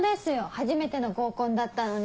初めての合コンだったのに。